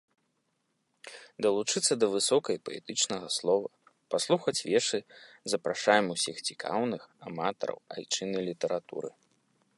Далучыцца да высокай паэтычнага слова, паслухаць вершы запрашаем усіх цікаўных, аматараў айчыннай літаратуры.